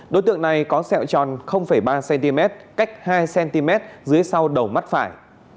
đối tượng này có sẹo tròn ba cm cách hai cm dưới sau đầu mắt phải